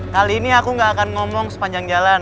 kali ini aku gak akan ngomong sepanjang jalan